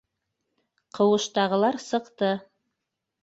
Ҡыуыштағылар сыҡты.